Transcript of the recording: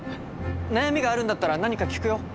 悩みがあるんだったら何か聞くよ。